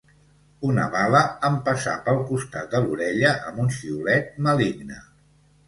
Una bala em passà pel costat de l'orella, amb un xiulet maligne